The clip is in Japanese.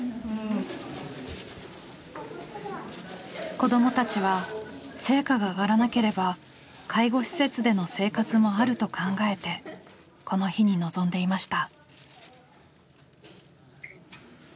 子どもたちは成果が上がらなければ介護施設での生活もあると考えてこの日に臨んでいました。